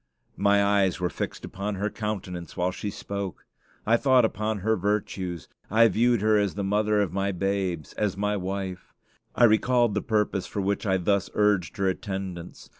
My eyes were fixed upon her countenance while she spoke. I thought upon her virtues; I viewed her as the mother of my babes; as my wife. I recalled the purpose for which I thus urged her attendance.